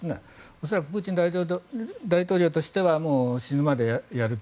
恐らくプーチン大統領としては死ぬまでやると。